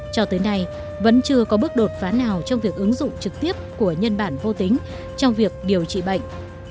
cho tới nay vẫn chưa có bước đột phá nào trong việc ứng dụng trực tiếp của nhân bản vô tính trong việc điều trị bệnh